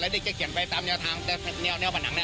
แล้วเด็กจะเขียนไปตามแนวผนัง